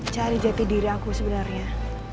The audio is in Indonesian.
cari jati diri aku sebenarnya